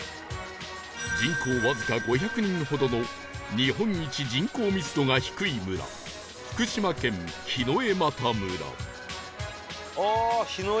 人口わずか５００人ほどの日本一人口密度が低い村福島県檜枝岐村